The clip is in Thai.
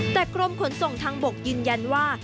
แต่กรมขนส่งทางบกยืนยันว่า